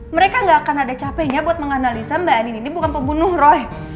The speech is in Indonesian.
mereka gak akan ada capeknya buat menganalisa mbak anin ini bukan pembunuh roy